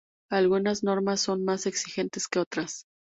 Algunas normas son más exigentes que otras.